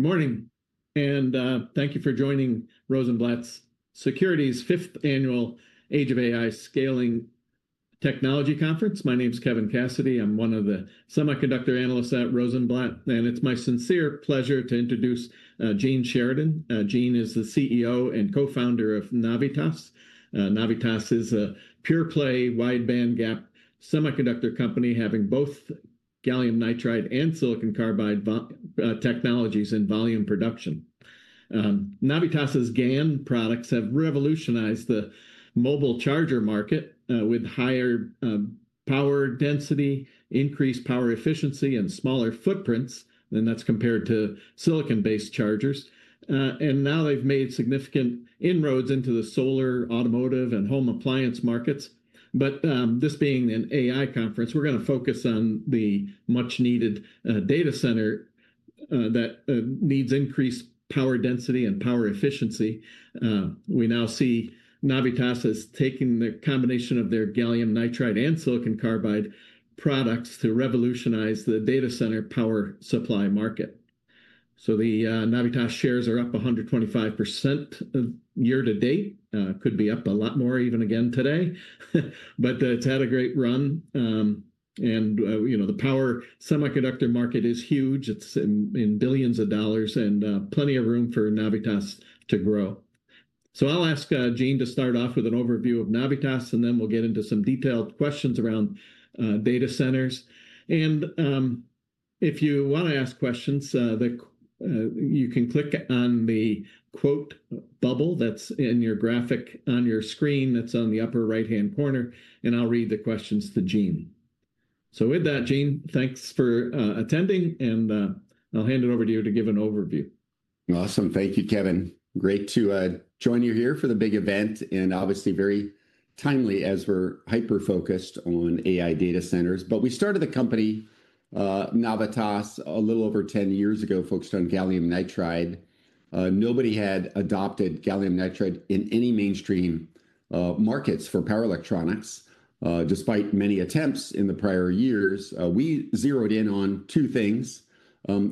Morning, and thank you for joining Rosenblatt Securities' fifth annual Age of AI Scaling Technology Conference. My name is Kevin Cassidy. I'm one of the semiconductor analysts at Rosenblatt, and it's my sincere pleasure to introduce Gene Sheridan. Gene is the CEO and co-founder of Navitas. Navitas is a pure-play wide bandgap semiconductor company having both gallium nitride and silicon carbide technologies in volume production. Navitas GaN products have revolutionized the mobile charger market with higher power density, increased power efficiency, and smaller footprints than that's compared to silicon-based chargers. Now they've made significant inroads into the solar, automotive, and home appliance markets. This being an AI conference, we're going to focus on the much-needed data center that needs increased power density and power efficiency. We now see Navitas is taking the combination of their gallium nitride and silicon carbide products to revolutionize the data center power supply market. The Navitas shares are up 125% year-to-date. Could be up a lot more even again today, but it's had a great run. The power semiconductor market is huge. It's in billions of dollars and plenty of room for Navitas to grow. I'll ask Gene to start off with an overview of Navitas, and then we'll get into some detailed questions around data centers. If you want to ask questions, you can click on the quote bubble that's in your graphic on your screen. That's on the upper right-hand corner, and I'll read the questions to Gene. With that, Gene, thanks for attending, and I'll hand it over to you to give an overview. Awesome. Thank you, Kevin. Great to join you here for the big event and obviously very timely as we're hyper-focused on AI data centers. We started the company Navitas a little over 10 years ago, focused on gallium nitride. Nobody had adopted gallium nitride in any mainstream markets for power electronics. Despite many attempts in the prior years, we zeroed in on two things: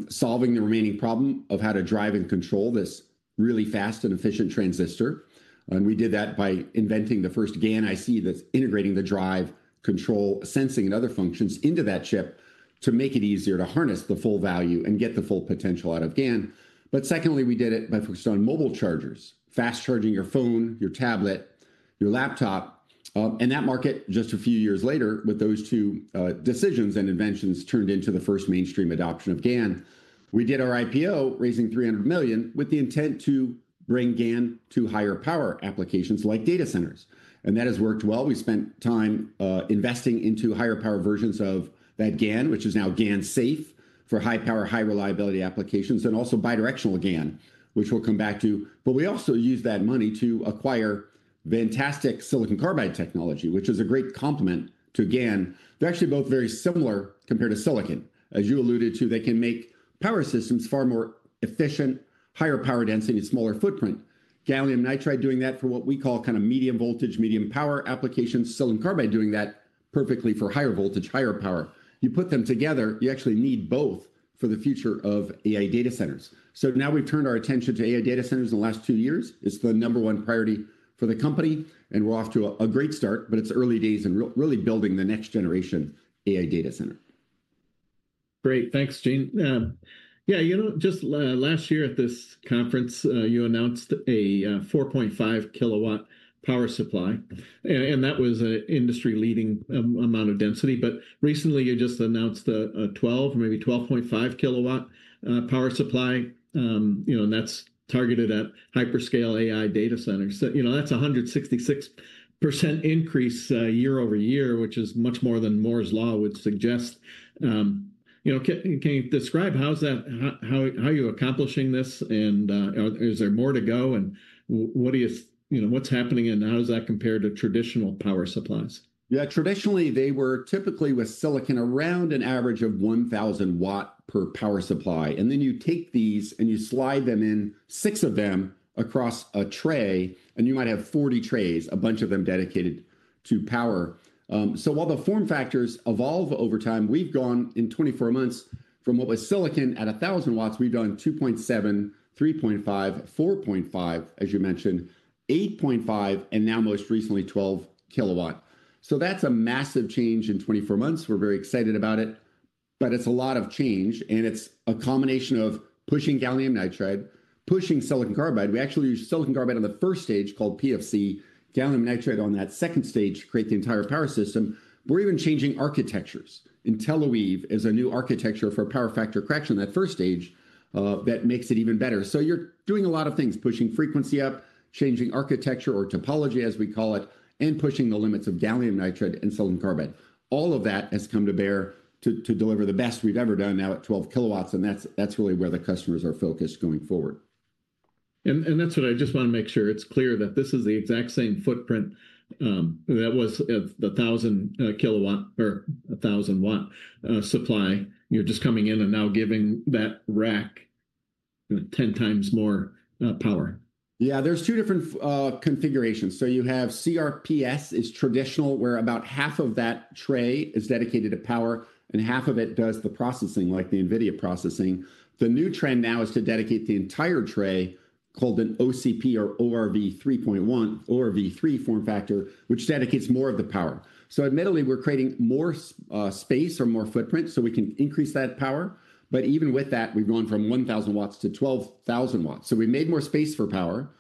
solving the remaining problem of how to drive and control this really fast and efficient transistor. We did that by inventing the first GaN IC that's integrating the drive, control, sensing, and other functions into that chip to make it easier to harness the full value and get the full potential out of GaN. Secondly, we did it by focusing on mobile chargers, fast charging your phone, your tablet, your laptop. That market, just a few years later, with those two decisions and inventions turned into the first mainstream adoption of GaN. We did our IPO, raising $300 million with the intent to bring GaN to higher power applications like data centers. That has worked well. We spent time investing into higher power versions of that GaN, which is now GaNSafe for high power, high reliability applications, and also bidirectional GaN, which we'll come back to. We also used that money to acquire fantastic silicon carbide technology, which is a great complement to GaN. They're actually both very similar compared to silicon. As you alluded to, they can make power systems far more efficient, higher power density, and smaller footprint. Gallium nitride doing that for what we call kind of medium voltage, medium power applications. Silicon carbide doing that perfectly for higher voltage, higher power. You put them together, you actually need both for the future of AI data centers. Now we've turned our attention to AI data centers in the last two years. It's the number one priority for the company, and we're off to a great start, but it's early days in really building the next generation AI data center. Great. Thanks, Gene. Yeah, you know, just last year at this conference, you announced a 4.5 kW power supply, and that was an industry-leading amount of density. But recently, you just announced a 12, maybe 12.5 kilowatt power supply, you know, and that's targeted at hyperscale AI data centers. You know, that's a 166% increase year over year, which is much more than Moore's Law would suggest. You know, can you describe how you're accomplishing this, and is there more to go, and what do you, you know, what's happening, and how does that compare to traditional power supplies? Yeah, traditionally, they were typically with silicon around an average of 1,000 watt per power supply. You take these and you slide them in, six of them, across a tray, and you might have 40 trays, a bunch of them dedicated to power. While the form factors evolve over time, we've gone in 24 months from what was silicon at 1,000 watts, we've done 2.7, 3.5, 4.5, as you mentioned, 8.5, and now most recently 12 kilowatt. That's a massive change in 24 months. We're very excited about it, but it's a lot of change, and it's a combination of pushing gallium nitride, pushing silicon carbide. We actually use silicon carbide on the first stage called PFC, gallium nitride on that second stage to create the entire power system. We're even changing architectures. IntelliWeave® is a new architecture for power factor correction on that first stage that makes it even better. You're doing a lot of things, pushing frequency up, changing architecture or topology, as we call it, and pushing the limits of gallium nitride and silicon carbide. All of that has come to bear to deliver the best we've ever done now at 12 kilowatts, and that's really where the customers are focused going forward. I just want to make sure it's clear that this is the exact same footprint that was the 1,000 watt supply. You're just coming in and now giving that rack 10 times more power. Yeah, there's two different configurations. You have CRPS, which is traditional, where about half of that tray is dedicated to power, and half of it does the processing like the NVIDIA processing. The new trend now is to dedicate the entire tray, called an OCP or ORv3, ORv3 form factor, which dedicates more of the power. Admittedly, we're creating more space or more footprint so we can increase that power. Even with that, we've gone from 1,000 watts to 12,000 watts. We've made more space for power,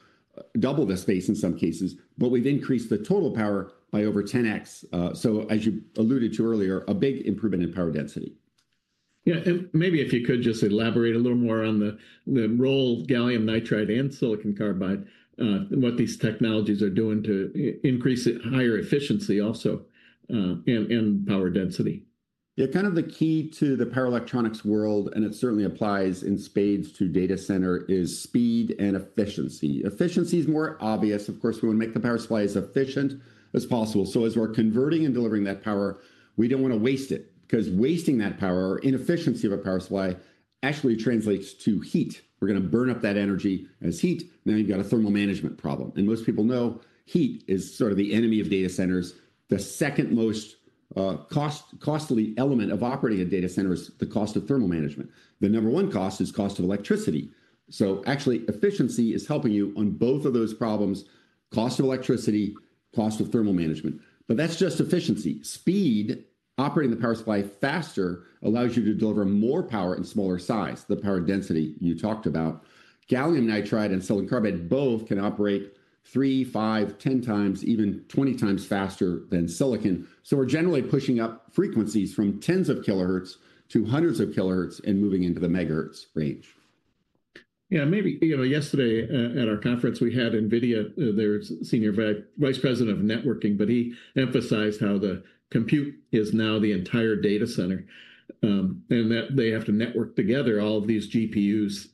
double the space in some cases, but we've increased the total power by over 10x. As you alluded to earlier, a big improvement in power density. Yeah, and maybe if you could just elaborate a little more on the role of gallium nitride and silicon carbide, what these technologies are doing to increase higher efficiency also and power density. Yeah, kind of the key to the power electronics world, and it certainly applies in spades to data center, is speed and efficiency. Efficiency is more obvious. Of course, we want to make the power supply as efficient as possible. As we're converting and delivering that power, we do not want to waste it because wasting that power or inefficiency of a power supply actually translates to heat. We are going to burn up that energy as heat. Now you have got a thermal management problem. Most people know heat is sort of the enemy of data centers. The second most costly element of operating a data center is the cost of thermal management. The number one cost is cost of electricity. Actually, efficiency is helping you on both of those problems: cost of electricity, cost of thermal management. That is just efficiency. Speed, operating the power supply faster, allows you to deliver more power in smaller size, the power density you talked about. Gallium nitride and silicon carbide both can operate 3, 5, 10 times, even 20 times faster than silicon. We are generally pushing up frequencies from tens of kilohertz to hundreds of kilohertz and moving into the megahertz range. Yeah, maybe, you know, yesterday at our conference, we had NVIDIA, their Senior Vice President of Networking, but he emphasized how the compute is now the entire data center and that they have to network together all of these GPUs.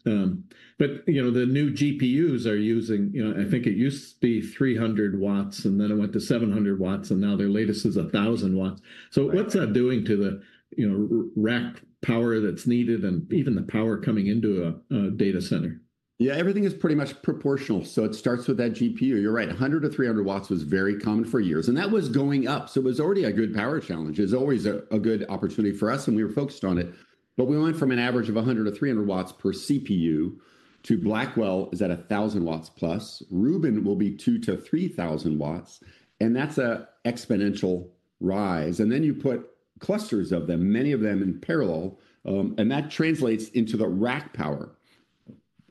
You know, the new GPUs are using, you know, I think it used to be 300 watts, and then it went to 700 watts, and now their latest is 1,000 watts. What's that doing to the, you know, rack power that's needed and even the power coming into a data center? Yeah, everything is pretty much proportional. It starts with that GPU. You're right, 100-300 watts was very common for years, and that was going up. It was already a good power challenge. It's always a good opportunity for us, and we were focused on it. We went from an average of 100-300 watts per CPU to Blackwell® is at 1,000 W+. Rubin® will be 2–3 kW, and that's an exponential rise. You put clusters of them, many of them in parallel, and that translates into the rack power.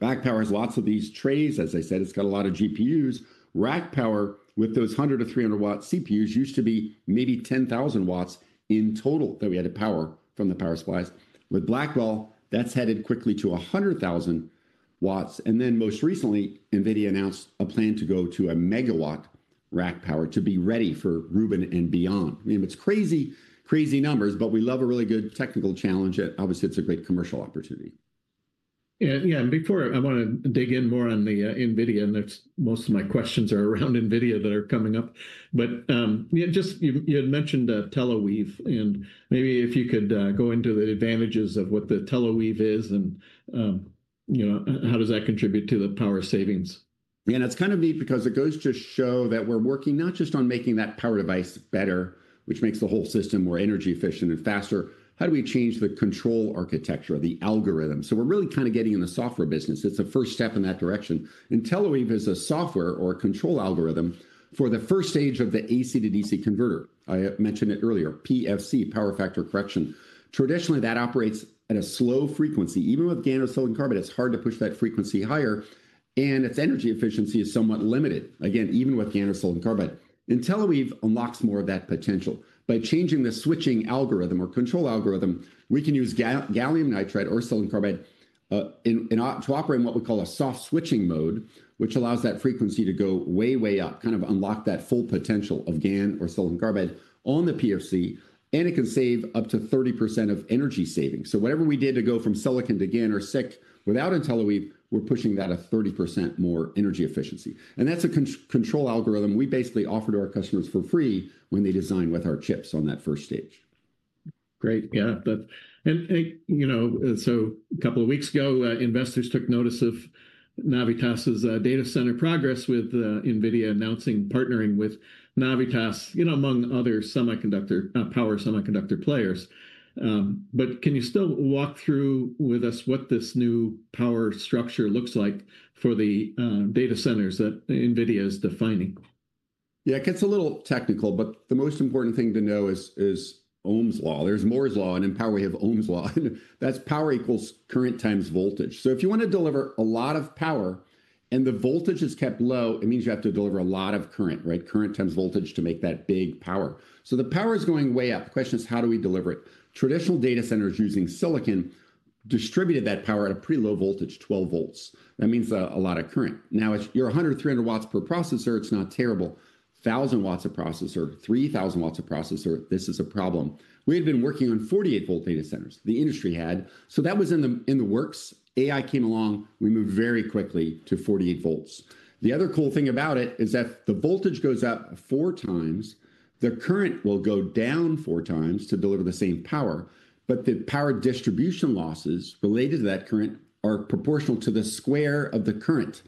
Rack power has lots of these trays. As I said, it's got a lot of GPUs. Rack power with those 100-300 watt CPUs used to be maybe 10,000 watts in total that we had to power from the power supplies. With Blackwell®, that's headed quickly to 100,000 watts. Most recently, NVIDIA announced a plan to go to a megawatt rack power to be ready for Rubin® and beyond. I mean, it's crazy, crazy numbers, but we love a really good technical challenge. Obviously, it's a great commercial opportunity. Yeah, and before I want to dig in more on the NVIDIA, and most of my questions are around NVIDIA that are coming up. Yeah, just you had mentioned IntelliWeave®, and maybe if you could go into the advantages of what the IntelliWeave® is and, you know, how does that contribute to the power savings? Yeah, and it's kind of neat because it goes to show that we're working not just on making that power device better, which makes the whole system more energy efficient and faster. How do we change the control architecture, the algorithm? So we're really kind of getting in the software business. It's a first step in that direction. And IntelliWeave® is a software or a control algorithm for the first stage of the AC-to-DC converter. I mentioned it earlier, PFC, power factor correction. Traditionally, that operates at a slow frequency. Even with GaN or silicon carbide, it's hard to push that frequency higher, and its energy efficiency is somewhat limited, again, even with GaN or silicon carbide. And IntelliWeave® unlocks more of that potential. By changing the switching algorithm or control algorithm, we can use gallium nitride or silicon carbide to operate in what we call a soft switching mode, which allows that frequency to go way, way up, kind of unlock that full potential of GaN or silicon carbide on the PFC, and it can save up to 30% of energy savings. Whatever we did to go from silicon to GaN or SiC without IntelliWeave®, we're pushing that at 30% more energy efficiency. That's a control algorithm we basically offer to our customers for free when they design with our chips on that first stage. Great. Yeah, and you know, a couple of weeks ago, investors took notice of Navitas's data center progress with NVIDIA announcing partnering with Navitas, you know, among other power semiconductor players. Can you still walk through with us what this new power structure looks like for the data centers that NVIDIA is defining? Yeah, it gets a little technical, but the most important thing to know is Ohm's Law. There's Moore's Law, and in power, we have Ohm's Law. That's power equals current times voltage. If you want to deliver a lot of power and the voltage is kept low, it means you have to deliver a lot of current, right? Current times voltage to make that big power. The power is going way up. The question is, how do we deliver it? Traditional data centers using silicon distributed that power at a pretty low voltage, 12 volts. That means a lot of current. Now, if you're 100, 300 watts per processor, it's not terrible. 1,000 watts a processor, 3,000 watts a processor, this is a problem. We had been working on 48-volt data centers. The industry had. That was in the works. AI came along. We moved very quickly to 48 volts. The other cool thing about it is that the voltage goes up four times. The current will go down four times to deliver the same power, but the power distribution losses related to that current are proportional to the square of the current.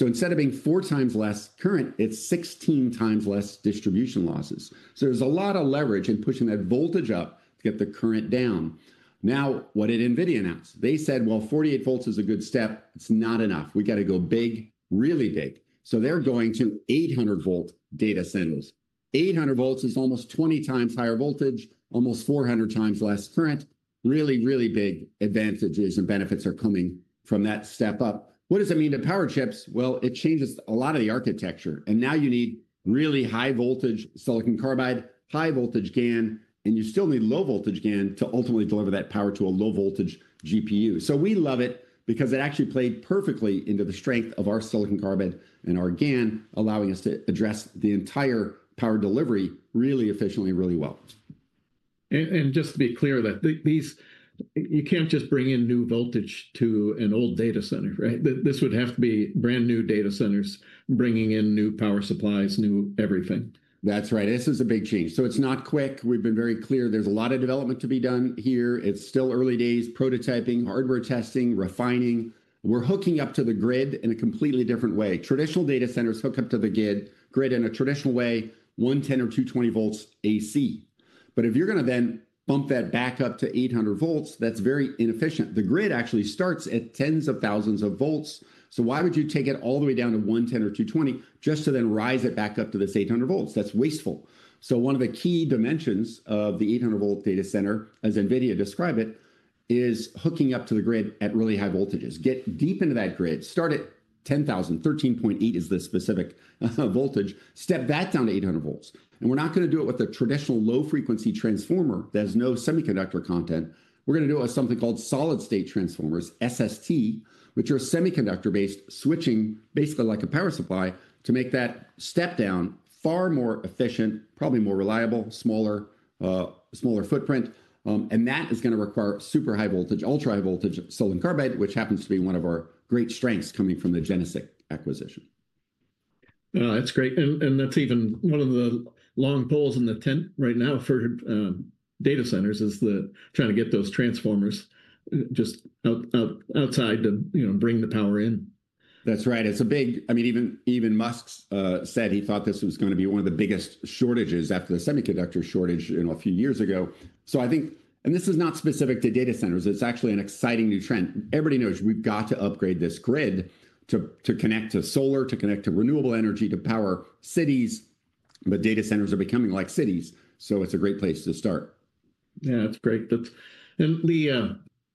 Instead of being four times less current, it is 16 times less distribution losses. There is a lot of leverage in pushing that voltage up to get the current down. Now, what did NVIDIA announce? They said 48 volts is a good step. It is not enough. We got to go big, really big. They are going to 800-volt data centers. 800 volts is almost 20 times higher voltage, almost 400 times less current. Really, really big advantages and benefits are coming from that step up. What does it mean to power chips? It changes a lot of the architecture. Now you need really high voltage silicon carbide, high voltage GaN, and you still need low voltage GaN to ultimately deliver that power to a low voltage GPU. We love it because it actually played perfectly into the strength of our silicon carbide and our GaN, allowing us to address the entire power delivery really efficiently, really well. Just to be clear, you can't just bring in new voltage to an old data center, right? This would have to be brand new data centers bringing in new power supplies, new everything. That's right. This is a big change. It's not quick. We've been very clear. There's a lot of development to be done here. It's still early days, prototyping, hardware testing, refining. We're hooking up to the grid in a completely different way. Traditional data centers hook up to the grid in a traditional way, 110 or 220 volts AC. If you're going to then bump that back up to 800 volts, that's very inefficient. The grid actually starts at tens of thousands of volts. Why would you take it all the way down to 110 or 220 just to then rise it back up to this 800 volts? That's wasteful. One of the key dimensions of the 800-volt data center, as NVIDIA described it, is hooking up to the grid at really high voltages. Get deep into that grid, start at 10,000, 13.8 is the specific voltage, step that down to 800 volts. We're not going to do it with a traditional low-frequency transformer that has no semiconductor content. We're going to do it with something called solid-state transformers, SST, which are semiconductor-based switching, basically like a power supply, to make that step down far more efficient, probably more reliable, smaller footprint. That is going to require super high voltage, ultra high voltage silicon carbide, which happens to be one of our great strengths coming from the GeneSiC® acquisition. That's great. That's even one of the long poles in the tent right now for data centers is the trying to get those transformers just outside to, you know, bring the power in. That's right. It's a big, I mean, even Musk said he thought this was going to be one of the biggest shortages after the semiconductor shortage, you know, a few years ago. I think, and this is not specific to data centers, it's actually an exciting new trend. Everybody knows we've got to upgrade this grid to connect to solar, to connect to renewable energy, to power cities. Data centers are becoming like cities. It's a great place to start. Yeah, that's great. Lee, you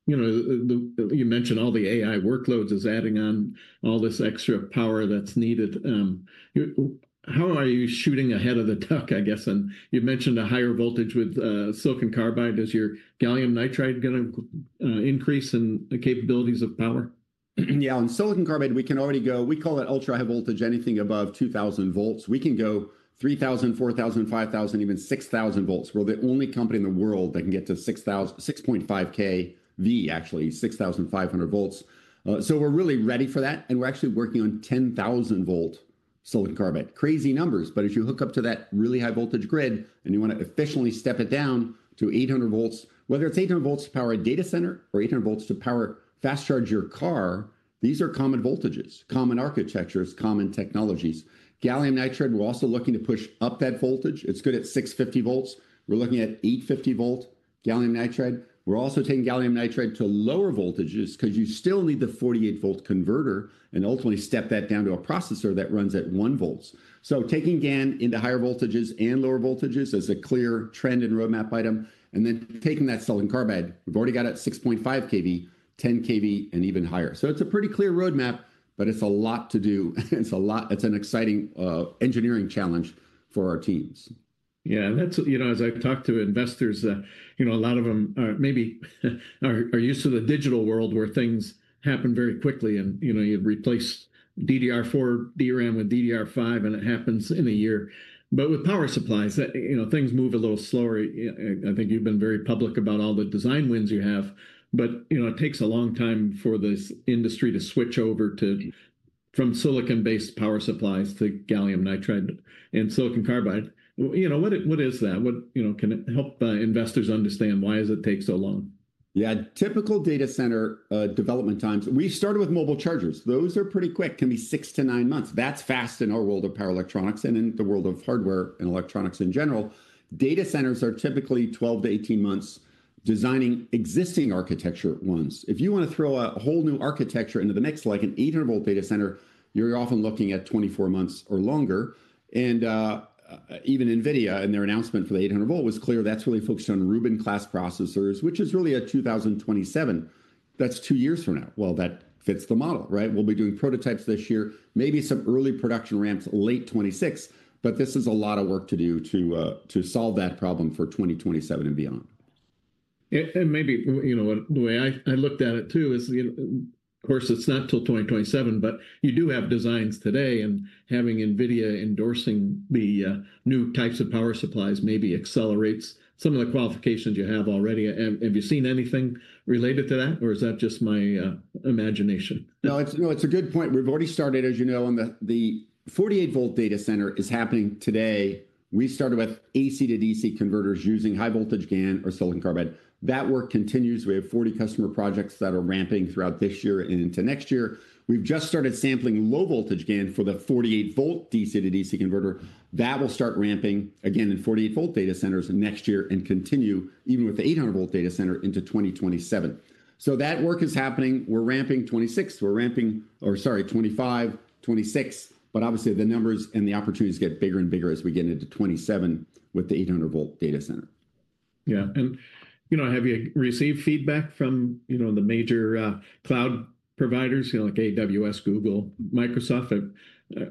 know, you mentioned all the AI workloads is adding on all this extra power that's needed. How are you shooting ahead of the duck, I guess? You mentioned a higher voltage with silicon carbide. Is your gallium nitride going to increase in the capabilities of power? Yeah, on silicon carbide, we can already go, we call it ultra high voltage, anything above 2,000 volts. We can go 3,000, 4,000, 5,000, even 6,000 volts. We're the only company in the world that can get to 6,000, 6.5 kV, actually 6,500 kV. We're really ready for that. We're actually working on 10,000 volt silicon carbide. Crazy numbers, but if you hook up to that really high voltage grid and you want to efficiently step it down to 800 volts, whether it's 800 volts to power a data center or 800 volts to fast charge your car, these are common voltages, common architectures, common technologies. Gallium nitride, we're also looking to push up that voltage. It's good at 650 volts. We're looking at 850 volt gallium nitride. We're also taking gallium nitride to lower voltages because you still need the 48 volt converter and ultimately step that down to a processor that runs at 1 volt. Taking GaN into higher voltages and lower voltages is a clear trend and roadmap item. Taking that silicon carbide, we've already got it at 6.5 kV, 10 kV, and even higher. It is a pretty clear roadmap, but it is a lot to do. It is a lot, it is an exciting engineering challenge for our teams. Yeah, and that's, you know, as I've talked to investors, you know, a lot of them maybe are used to the digital world where things happen very quickly and, you know, you'd replace DDR4 DRAM with DDR5 and it happens in a year. With power supplies, you know, things move a little slower. I think you've been very public about all the design wins you have, but, you know, it takes a long time for this industry to switch over from silicon-based power supplies to gallium nitride and silicon carbide. You know, what is that? What, you know, can it help investors understand why does it take so long? Yeah, typical data center development times. We started with mobile chargers. Those are pretty quick, can be six to nine months. That's fast in our world of power electronics and in the world of hardware and electronics in general. Data centers are typically 12-18 months designing existing architecture ones. If you want to throw a whole new architecture into the mix, like an 800 volt data center, you're often looking at 24 months or longer. Even NVIDIA in their announcement for the 800 volt was clear that's really focused on Rubin-class processors, which is really a 2027. That's two years from now. That fits the model, right? We'll be doing prototypes this year, maybe some early production ramps late 2026, but this is a lot of work to do to solve that problem for 2027 and beyond. Maybe, you know, the way I looked at it too is, you know, of course, it's not till 2027, but you do have designs today and having NVIDIA endorsing the new types of power supplies maybe accelerates some of the qualifications you have already. Have you seen anything related to that or is that just my imagination? No, it's a good point. We've already started, as you know, on the 48 volt data center is happening today. We started with AC-to-DC converters using high voltage GaN or silicon carbide. That work continues. We have 40 customer projects that are ramping throughout this year and into next year. We've just started sampling low voltage GaN for the 48 volt DC-to-DC converter that will start ramping again in 48 volt data centers next year and continue even with the 800 volt data center into 2027. That work is happening. We're ramping 2026, we're ramping, or sorry, 2025, 2026, but obviously the numbers and the opportunities get bigger and bigger as we get into 2027 with the 800 volt data center. Yeah, and you know, have you received feedback from, you know, the major cloud providers, you know, like AWS, Google, Microsoft?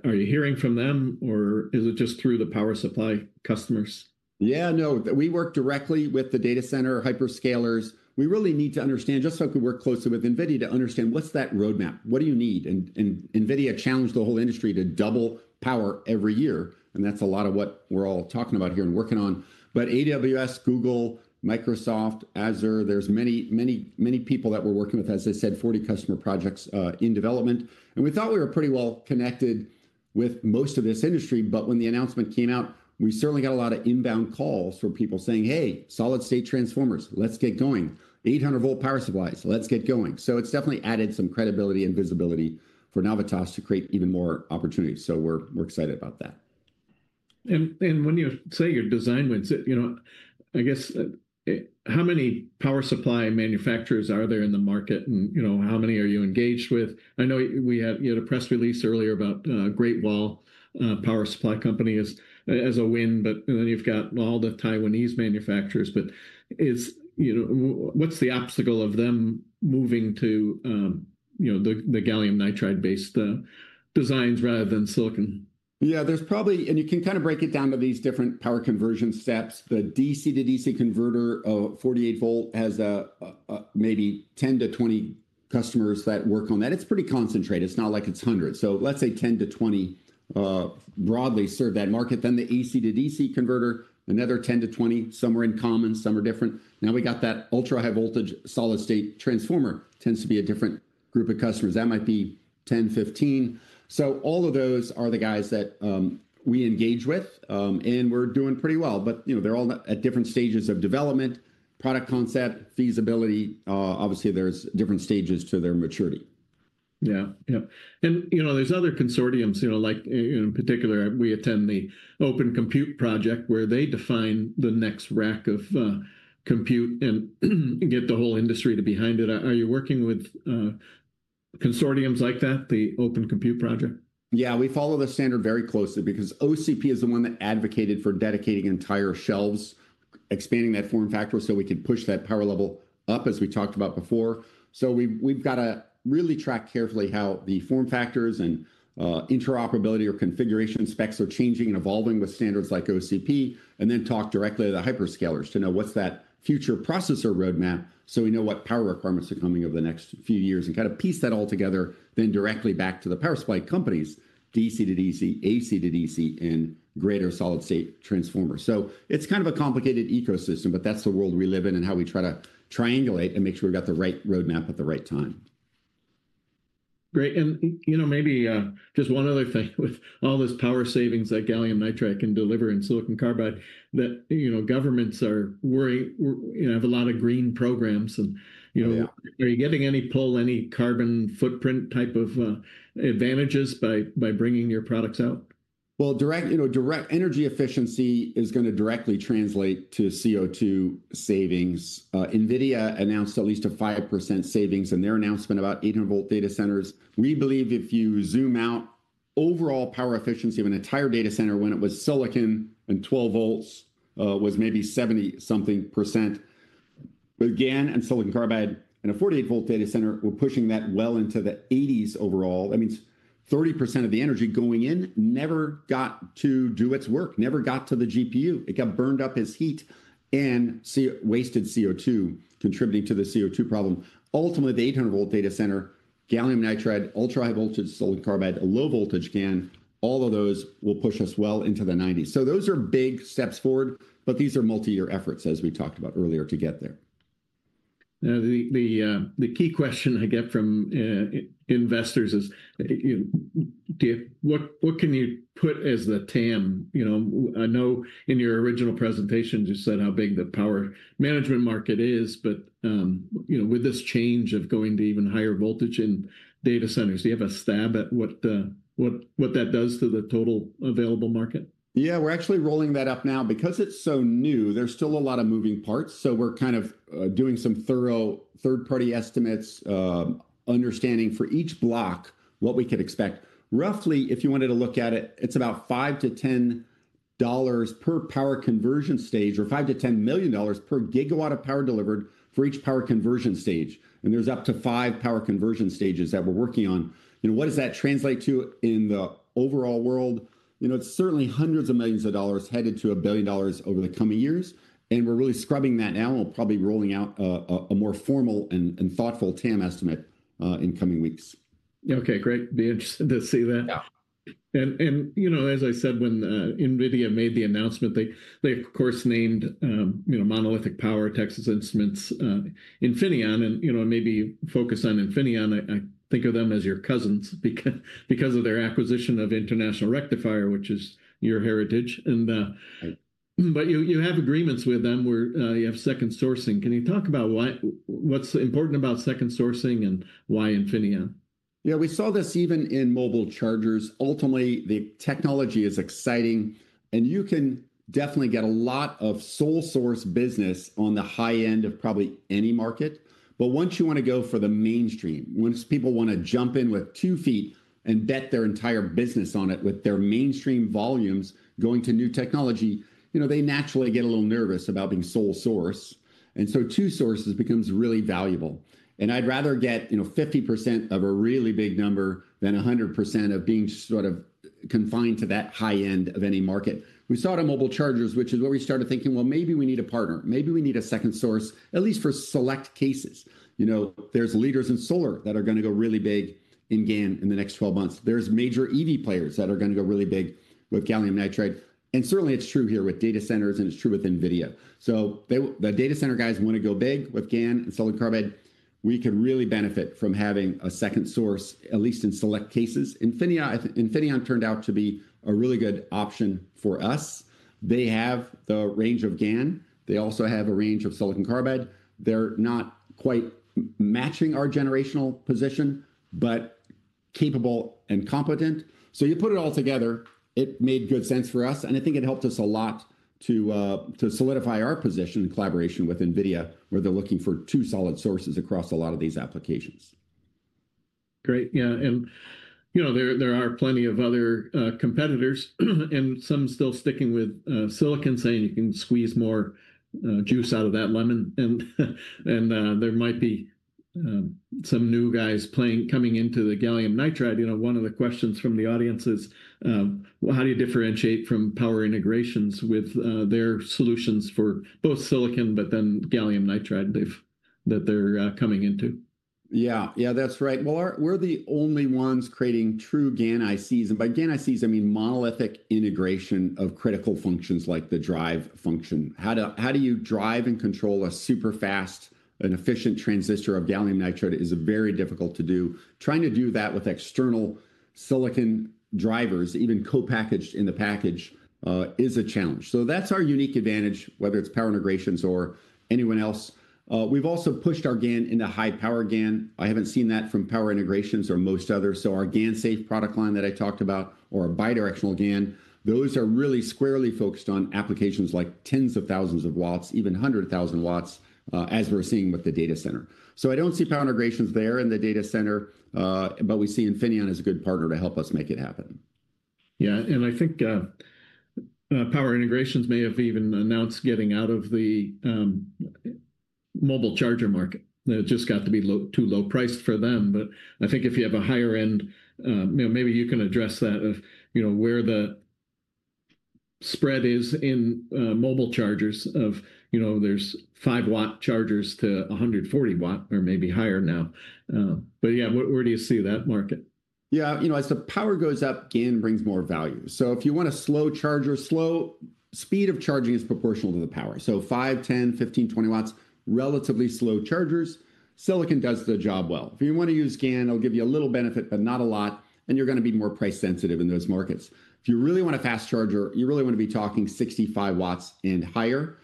Are you hearing from them or is it just through the power supply customers? Yeah, no, we work directly with the data center hyperscalers. We really need to understand just how could work closely with NVIDIA to understand what's that roadmap, what do you need? NVIDIA challenged the whole industry to double power every year. That's a lot of what we're all talking about here and working on. AWS, Google, Microsoft, Azure, there's many, many, many people that we're working with, as I said, 40 customer projects in development. We thought we were pretty well connected with most of this industry, but when the announcement came out, we certainly got a lot of inbound calls from people saying, "Hey, solid-state transformers, let's get going. 800 volt power supplies, let's get going." It's definitely added some credibility and visibility for Navitas to create even more opportunities. We're excited about that. When you say your design wins, you know, I guess how many power supply manufacturers are there in the market and, you know, how many are you engaged with? I know we had a press release earlier about Great Wall power supply company as a win, but then you've got all the Taiwanese manufacturers, but it's, you know, what's the obstacle of them moving to, you know, the gallium nitride-based designs rather than silicon? Yeah, there's probably, and you can kind of break it down to these different power conversion steps. The DC-to-DC converter of 48 volt has maybe 10-20 customers that work on that. It's pretty concentrated. It's not like it's 100. So let's say 10-20 broadly serve that market. Then the AC-to-DC converter, another 10-20, some are in common, some are different. Now we got that ultra high voltage solid-state transformer tends to be a different group of customers. That might be 10, 15. So all of those are the guys that we engage with and we're doing pretty well, but, you know, they're all at different stages of development, product concept, feasibility. Obviously, there's different stages to their maturity. Yeah, yeah. You know, there's other consortiums, like in particular, we attend the Open Compute Project where they define the next rack of compute and get the whole industry behind it. Are you working with consortiums like that, the Open Compute Project? Yeah, we follow the standard very closely because OCP is the one that advocated for dedicating entire shelves, expanding that form factor so we could push that power level up as we talked about before. We have to really track carefully how the form factors and interoperability or configuration specs are changing and evolving with standards like OCP and then talk directly to the hyperscalers to know what's that future processor roadmap so we know what power requirements are coming over the next few years and kind of piece that all together, then directly back to the power supply companies, DC-to-DC, AC-to-DC and greater solid-state transformers. It's kind of a complicated ecosystem, but that's the world we live in and how we try to triangulate and make sure we've got the right roadmap at the right time. Great. You know, maybe just one other thing, with all this power savings that gallium nitride can deliver and silicon carbide, you know, governments are worrying, you know, have a lot of green programs, and, you know, are you getting any pull, any carbon footprint type of advantages by bringing your products out? Direct, you know, direct energy efficiency is going to directly translate to CO2 savings. NVIDIA announced at least a 5% savings in their announcement about 800 volt data centers. We believe if you zoom out, overall power efficiency of an entire data center when it was silicon and 12 volts was maybe 70-something percent. But GaN and silicon carbide and a 48 volt data center were pushing that well into the 80s overall. That means 30% of the energy going in never got to do its work, never got to the GPU. It got burned up as heat and wasted CO2, contributing to the CO2 problem. Ultimately, the 800 volt data center, gallium nitride, ultra high voltage silicon carbide, low voltage GaN, all of those will push us well into the 90s. Those are big steps forward, but these are multi-year efforts as we talked about earlier to get there. Now, the key question I get from investors is, you know, what can you put as the TAM? You know, I know in your original presentation you said how big the power management market is, but, you know, with this change of going to even higher voltage in data centers, do you have a stab at what that does to the total available market? Yeah, we're actually rolling that up now. Because it's so new, there's still a lot of moving parts. So we're kind of doing some thorough third-party estimates, understanding for each block what we could expect. Roughly, if you wanted to look at it, it's about $5-$10 per power conversion stage, or $5 million-$10 million per gigawatt of power delivered for each power conversion stage. And there's up to five power conversion stages that we're working on. You know, what does that translate to in the overall world? You know, it's certainly hundreds of millions of dollars headed to a billion dollars over the coming years. And we're really scrubbing that now and we're probably rolling out a more formal and thoughtful TAM estimate in coming weeks. Okay, great. Be interested to see that. And, you know, as I said, when NVIDIA made the announcement, they of course named, you know, Monolithic Power, Texas Instruments, Infineon, and, you know, maybe focus on Infineon. I think of them as your cousins because of their acquisition of International Rectifier, which is your heritage. And, but you have agreements with them where you have second sourcing. Can you talk about what's important about second sourcing and why Infineon? Yeah, we saw this even in mobile chargers. Ultimately, the technology is exciting and you can definitely get a lot of sole source business on the high end of probably any market. Once you want to go for the mainstream, once people want to jump in with two feet and bet their entire business on it with their mainstream volumes going to new technology, you know, they naturally get a little nervous about being sole source. Two sources becomes really valuable. I'd rather get, you know, 50% of a really big number than 100% of being sort of confined to that high end of any market. We saw it in mobile chargers, which is where we started thinking, well, maybe we need a partner, maybe we need a second source, at least for select cases. You know, there's leaders in solar that are going to go really big in GaN in the next 12 months. There's major EV players that are going to go really big with GaN. And certainly it's true here with data centers and it's true with NVIDIA. The data center guys want to go big with GaN and silicon carbide. We could really benefit from having a second source, at least in select cases. Infineon turned out to be a really good option for us. They have the range of GaN. They also have a range of silicon carbide. They're not quite matching our generational position, but capable and competent. You put it all together, it made good sense for us. I think it helped us a lot to solidify our position in collaboration with NVIDIA where they're looking for two solid sources across a lot of these applications. Great. Yeah. You know, there are plenty of other competitors and some still sticking with silicon, saying you can squeeze more juice out of that lemon. There might be some new guys playing, coming into the gallium nitride. One of the questions from the audience is, how do you differentiate from Power Integrations with their solutions for both silicon, but then gallium nitride that they're coming into? Yeah, yeah, that's right. We're the only ones creating true GaN ICs. And by GaN ICs, I mean monolithic integration of critical functions like the drive function. How do you drive and control a super fast and efficient transistor of gallium nitride is very difficult to do. Trying to do that with external silicon drivers, even co-packaged in the package, is a challenge. That's our unique advantage, whether it's Power Integrations or anyone else. We've also pushed our GaN into high power GaN. I haven't seen that from Power Integrations or most others. Our GaNSafe product line that I talked about or a bidirectional GaN, those are really squarely focused on applications like tens of thousands of watts, even hundreds of thousands of watts as we're seeing with the data center. I don't see Power Integrations there in the data center, but we see Infineon as a good partner to help us make it happen. Yeah. I think Power Integrations may have even announced getting out of the mobile charger market. It just got to be too low priced for them. I think if you have a higher end, you know, maybe you can address that, of, you know, where the spread is in mobile chargers, of, you know, there are five watt chargers to 140 watt or maybe higher now. Yeah, where do you see that market? Yeah, you know, as the power goes up, GaN brings more value. If you want a slow charger, slow speed of charging is proportional to the power. Five, 10, 15, 20 watts, relatively slow chargers. Silicon does the job well. If you want to use GaN, it'll give you a little benefit, but not a lot. You're going to be more price sensitive in those markets. If you really want a fast charger, you really want to be talking 65 watts and higher.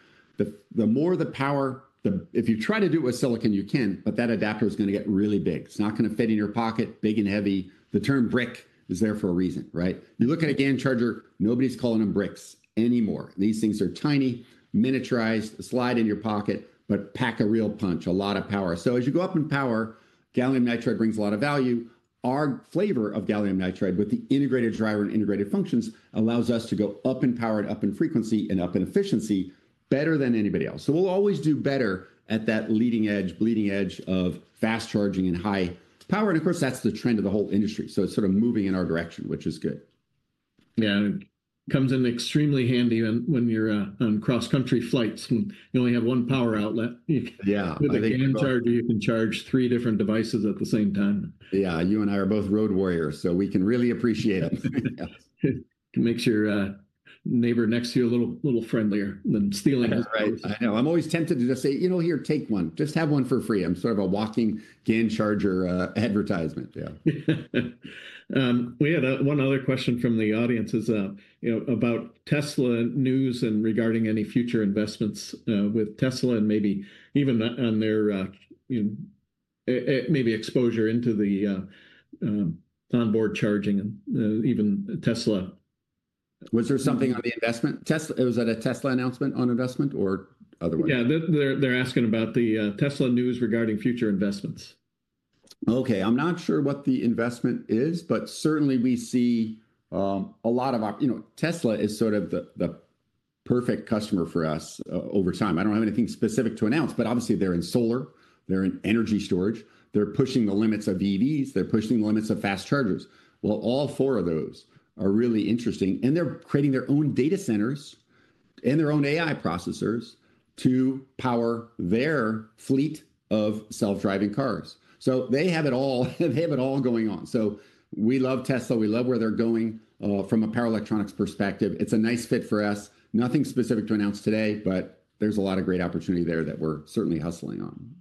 The more the power, if you try to do it with silicon, you can, but that adapter is going to get really big. It's not going to fit in your pocket, big and heavy. The term brick is there for a reason, right? You look at a GaN charger, nobody's calling them bricks anymore. These things are tiny, miniaturized, slide in your pocket, but pack a real punch, a lot of power. As you go up in power, gallium nitride brings a lot of value. Our flavor of gallium nitride with the integrated driver and integrated functions allows us to go up in power and up in frequency and up in efficiency better than anybody else. We will always do better at that leading edge, bleeding edge of fast charging and high power. Of course, that is the trend of the whole industry. It is sort of moving in our direction, which is good. Yeah. It comes in extremely handy when you're on cross-country flights when you only have one power outlet. Yeah. With a GaN charger, you can charge three different devices at the same time. Yeah. You and I are both road warriors, so we can really appreciate it. Make your neighbor next to you a little friendlier than stealing his place. I know. I'm always tempted to just say, you know, here, take one. Just have one for free. I'm sort of a walking GaN charger advertisement. Yeah. We had one other question from the audience about Tesla news and regarding any future investments with Tesla and maybe even on their, you know, maybe exposure into the onboard charging and even Tesla. Was there something on the investment? Was that a Tesla announcement on investment or otherwise? Yeah. They're asking about the Tesla news regarding future investments. Okay. I'm not sure what the investment is, but certainly we see a lot of, you know, Tesla is sort of the perfect customer for us over time. I don't have anything specific to announce, but obviously they're in solar, they're in energy storage, they're pushing the limits of EVs, they're pushing the limits of fast chargers. All four of those are really interesting and they're creating their own data centers and their own AI processors to power their fleet of self-driving cars. They have it all, they have it all going on. We love Tesla, we love where they're going from a power electronics perspective. It's a nice fit for us. Nothing specific to announce today, but there's a lot of great opportunity there that we're certainly hustling on.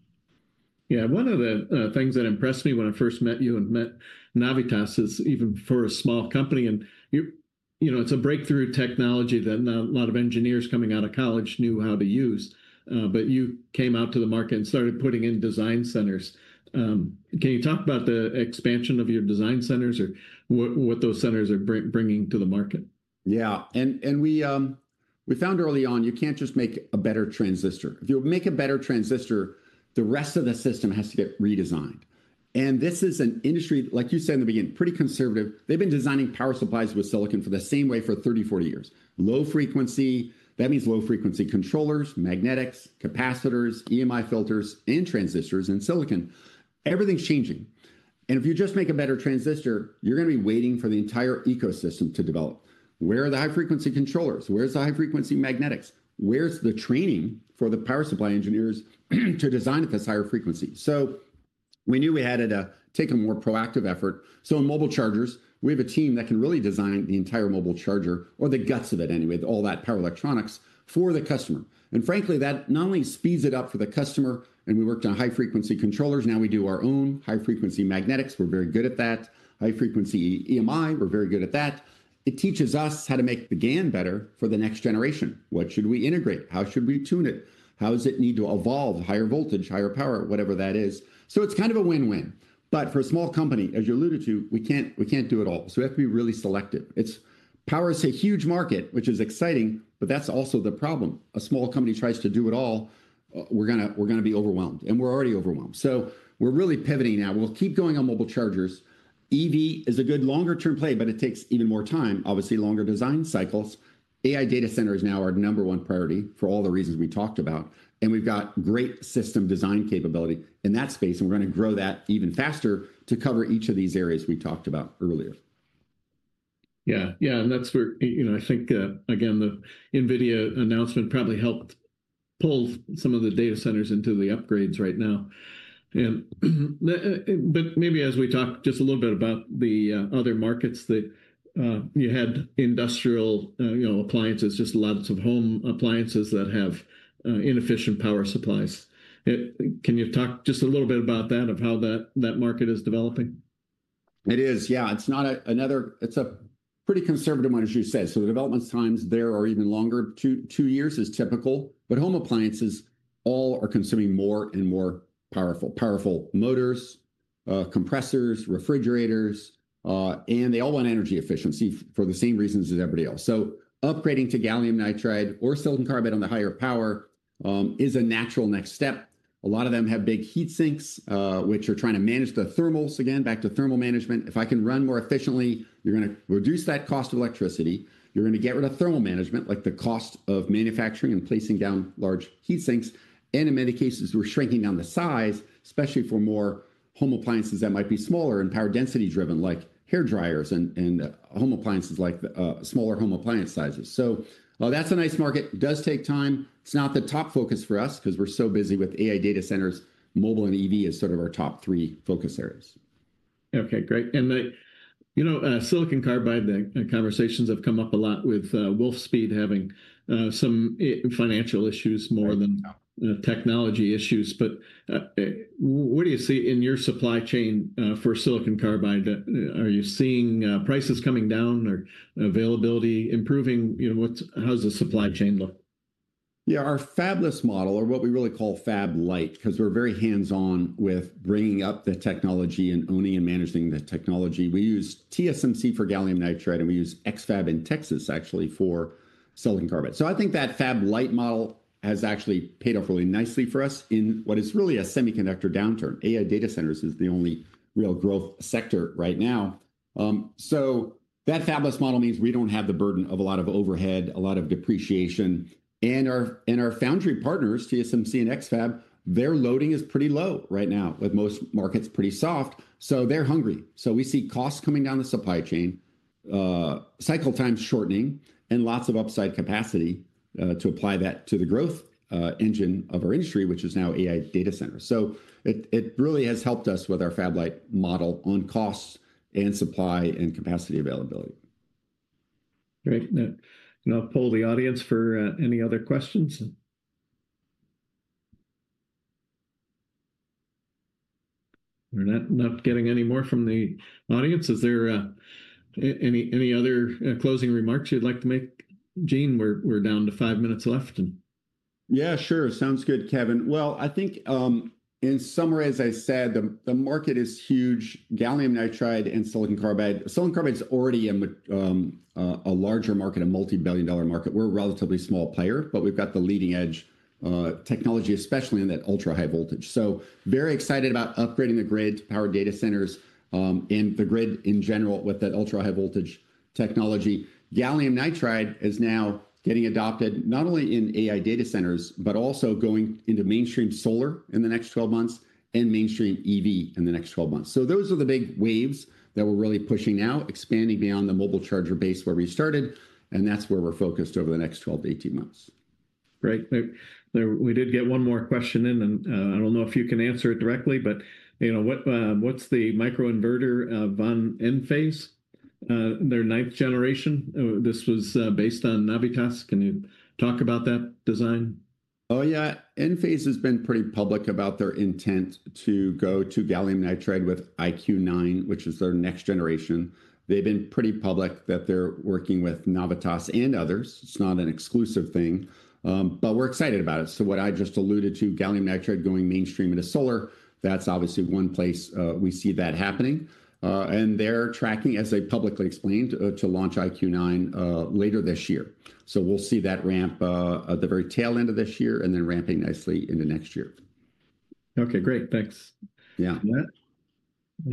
Yeah. One of the things that impressed me when I first met you and met Navitas is even for a small company and, you know, it's a breakthrough technology that not a lot of engineers coming out of college knew how to use. You came out to the market and started putting in design centers. Can you talk about the expansion of your design centers or what those centers are bringing to the market? Yeah. We found early on you can't just make a better transistor. If you make a better transistor, the rest of the system has to get redesigned. This is an industry, like you said in the beginning, pretty conservative. They've been designing power supplies with silicon the same way for 30, 40 years. Low frequency, that means low frequency controllers, magnetics, capacitors, EMI filters, and transistors and silicon. Everything's changing. If you just make a better transistor, you're going to be waiting for the entire ecosystem to develop. Where are the high frequency controllers? Where's the high frequency magnetics? Where's the training for the power supply engineers to design at this higher frequency? We knew we had to take a more proactive effort. In mobile chargers, we have a team that can really design the entire mobile charger or the guts of it anyway, all that power electronics for the customer. Frankly, that not only speeds it up for the customer and we worked on high frequency controllers, now we do our own high frequency magnetics. We're very good at that. High frequency EMI, we're very good at that. It teaches us how to make the GaN better for the next generation. What should we integrate? How should we tune it? How does it need to evolve? Higher voltage, higher power, whatever that is. It's kind of a win-win. For a small company, as you alluded to, we can't do it all. We have to be really selective. Power is a huge market, which is exciting, but that's also the problem. A small company tries to do it all, we're going to be overwhelmed and we're already overwhelmed. We are really pivoting now. We'll keep going on mobile chargers. EV is a good longer-term play, but it takes even more time, obviously longer design cycles. AI data centers now are number one priority for all the reasons we talked about. We've got great system design capability in that space. We are going to grow that even faster to cover each of these areas we talked about earlier. Yeah. Yeah. That's where, you know, I think again, the NVIDIA announcement probably helped pull some of the data centers into the upgrades right now. Maybe as we talk just a little bit about the other markets that you had, industrial, you know, appliances, just lots of home appliances that have inefficient power supplies. Can you talk just a little bit about that, of how that market is developing? It is. Yeah. It's not another, it's a pretty conservative one, as you said. The development times there are even longer. Two years is typical. Home appliances all are consuming more and more power. Powerful motors, compressors, refrigerators, and they all want energy efficiency for the same reasons as everybody else. Upgrading to gallium nitride or silicon carbide on the higher power is a natural next step. A lot of them have big heat sinks, which are trying to manage the thermals. Again, back to thermal management. If I can run more efficiently, you're going to reduce that cost of electricity. You're going to get rid of thermal management, like the cost of manufacturing and placing down large heat sinks. In many cases, we're shrinking down the size, especially for more home appliances that might be smaller and power density driven, like hair dryers and home appliances like smaller home appliance sizes. That's a nice market. It does take time. It's not the top focus for us because we're so busy with AI data centers. Mobile and EV is sort of our top three focus areas. Okay. Great. And the, you know, silicon carbide, the conversations have come up a lot with Wolfspeed having some financial issues more than technology issues. What do you see in your supply chain for silicon carbide? Are you seeing prices coming down or availability improving? You know, how does the supply chain look? Yeah. Our fabless model, or what we really call fab light, because we're very hands-on with bringing up the technology and owning and managing the technology. We use TSMC for gallium nitride and we use X-FAB in Texas actually for silicon carbide. I think that fab light model has actually paid off really nicely for us in what is really a semiconductor downturn. AI data centers is the only real growth sector right now. That fabless model means we don't have the burden of a lot of overhead, a lot of depreciation. Our foundry partners, TSMC and X-FAB, their loading is pretty low right now with most markets pretty soft. They're hungry. We see costs coming down the supply chain, cycle times shortening, and lots of upside capacity to apply that to the growth engine of our industry, which is now AI data centers. It really has helped us with our fab light model on costs and supply and capacity availability. Great. I'll poll the audience for any other questions. We're not getting any more from the audience. Is there any other closing remarks you'd like to make, Gene? We're down to five minutes left. Yeah, sure. Sounds good, Kevin. I think in summary, as I said, the market is huge. Gallium nitride and silicon carbide. Silicon carbide is already a larger market, a multi-billion dollar market. We're a relatively small player, but we've got the leading edge technology, especially in that ultra high voltage. Very excited about upgrading the grid to power data centers and the grid in general with that ultra high voltage technology. Gallium nitride is now getting adopted not only in AI data centers, but also going into mainstream solar in the next 12 months and mainstream EV in the next 12 months. Those are the big waves that we're really pushing now, expanding beyond the mobile charger base where we started. That's where we're focused over the next 12-18 months. Great. We did get one more question in, and I don't know if you can answer it directly, but you know, what's the microinverter from Enphase, their ninth generation? This was based on Navitas. Can you talk about that design? Oh yeah. Enphase has been pretty public about their intent to go to gallium nitride with IQ9, which is their next generation. They've been pretty public that they're working with Navitas and others. It's not an exclusive thing, but we're excited about it. What I just alluded to, gallium nitride going mainstream into solar, that's obviously one place we see that happening. They're tracking, as they publicly explained, to launch IQ9 later this year. We'll see that ramp at the very tail end of this year and then ramping nicely into next year. Okay. Great. Thanks. Yeah.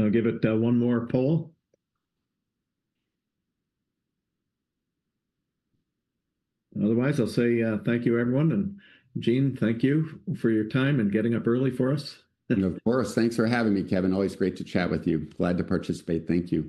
I'll give it one more poll. Otherwise, I'll say thank you, everyone. Gene, thank you for your time and getting up early for us. Of course. Thanks for having me, Kevin. Always great to chat with you. Glad to participate. Thank you.